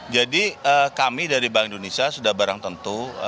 jadi kami dari bank indonesia sudah barang tentu